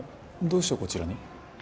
どうしてこちらに？